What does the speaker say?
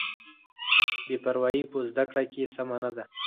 بې پروایي په زده کړه کې سمه نه ده.